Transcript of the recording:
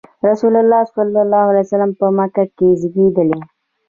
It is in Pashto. رسول الله ﷺ په مکه کې زېږېدلی.